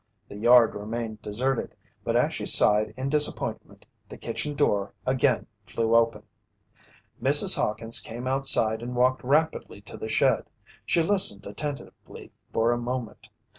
The yard remained deserted. But as she sighed in disappointment, the kitchen door again flew open. Mrs. Hawkins came outside and walked rapidly to the shed. She listened attentively for a moment.